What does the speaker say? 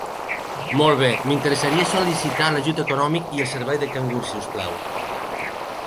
Molt bé, m'interessaria sol·licitar l'ajut econòmic i el servei de cangur si us plau.